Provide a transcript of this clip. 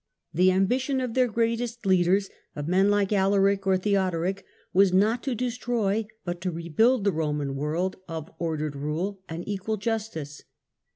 jl The ambition of their greatest leaders — of men like Alaric or Theodoric — was not to destroy but to rebuild the Roman world of ordered rule and equal justice.